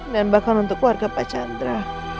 bahkan untuk keluarga pak chandra